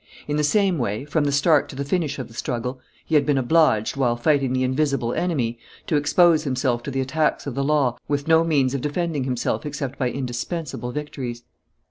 In the same way, from the start to the finish of the struggle, he had been obliged, while fighting the invisible enemy, to expose himself to the attacks of the law with no means of defending himself except by indispensable victories.